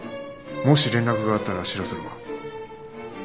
もし連絡があったら知らせろ